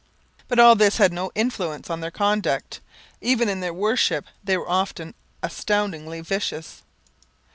But all this had no influence on their conduct; even in their worship they were often astoundingly vicious.